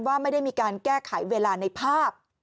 ว่าไม่ได้มีการแก้ไขเวลาในภาพ